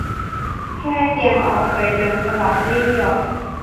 แค่เพียงออกไปเดินสลับวิ่งเหยาะ